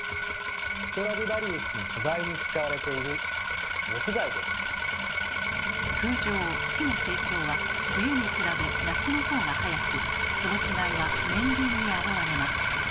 ストラディヴァリウスの素材に使われている通常木の成長は冬に比べ夏のほうが速くその違いは年輪に現れます。